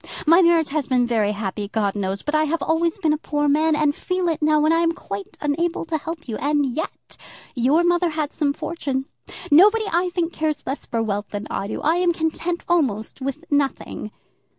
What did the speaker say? My marriage has been very happy, God knows; but I have always been a poor man, and feel it now when I am quite unable to help you. And yet your mother had some fortune. Nobody, I think, cares less for wealth than I do. I am content almost with nothing."